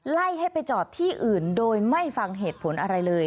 ไล่ให้ไปจอดที่อื่นโดยไม่ฟังเหตุผลอะไรเลย